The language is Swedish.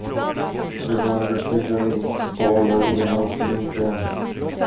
Det var residensstaden i hans rike.